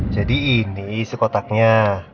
jadi ini kotaknya